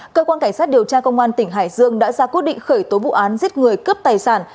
cơ quan cảnh sát điều tra công an tỉnh hải dương đã ra quyết định khởi tố vụ án giết người cướp tài sản